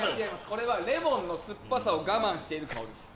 これはレモンの酸っぱさを我慢している顔です。